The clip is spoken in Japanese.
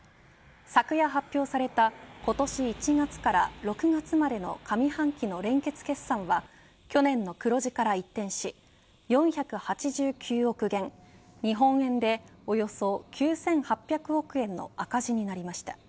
昨夜発表された今年１月から６月までの上半期の連結決算は去年の黒字から一転し４８９億元日本円でおよそ９８００億円の赤字になりました。